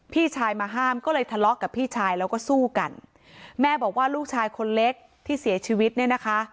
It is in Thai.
พี่ชายมาห้ามก็เลยทะเลาะกับพี่ชายแล้วก็สู้กันแม่บอกว่าลูกชายคนเล็กที่เสียชีวิตเนี่ยนะคะ